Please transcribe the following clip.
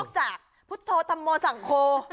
นอกจากพุทธโธมสังโค